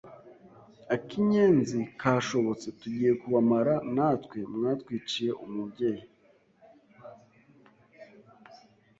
ak’inyenzi kashobotse tugiye kubamara natwe mwatwiciye umubyeyi’